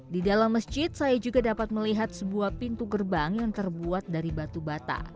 di dalam masjid saya juga dapat melihat sebuah pintu gerbang yang terbuat dari batu bata